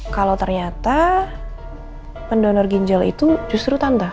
kalau ternyata pendonor ginjal itu justru tanda